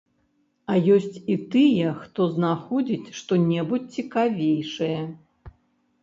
А ёсць і тыя, хто знаходзіць што-небудзь цікавейшае.